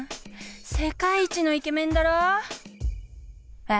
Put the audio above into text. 世界一のイケメンだろ？え？